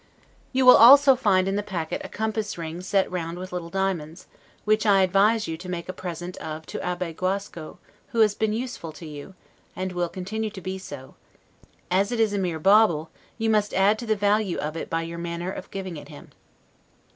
You will also find in the packet a compass ring set round with little diamonds, which I advise you to make a present of to Abbe Guasco, who has been useful to you, and will continue to be so; as it is a mere bauble, you must add to the value of it by your manner of giving it him.